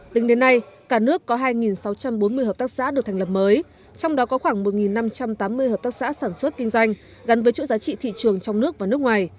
tính đến nay cả nước có hai sáu trăm bốn mươi hợp tác xã được thành lập mới trong đó có khoảng một năm trăm tám mươi hợp tác xã sản xuất kinh doanh gắn với chủ giá trị thị trường trong nước và nước ngoài